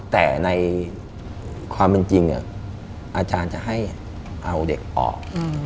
แต่ในความเป็นจริงอาจารย์จะให้เอาเด็กออก